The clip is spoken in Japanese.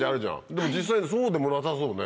でも実際そうでもなさそうね。